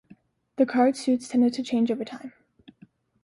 The card suits tended to change over time.